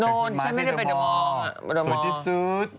นอนฉันไม่ได้ไปเด้อมอร์มาเดียวมอร์สวยที่สุด